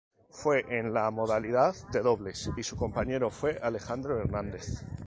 Fue en la modalidad de dobles y su compañero fue Alejandro Hernández.